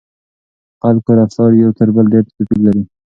د خلکو رفتار یو تر بل ډېر توپیر لري.